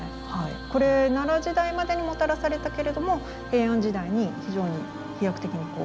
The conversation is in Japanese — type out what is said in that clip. これ奈良時代までにもたらされたけれども平安時代に非常に飛躍的に広がっていったと。